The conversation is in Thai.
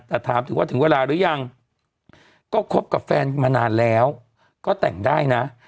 แต่ถามถึงว่าถึงเวลาหรือยังก็คบกับแฟนมานานแล้วก็แต่งได้นะ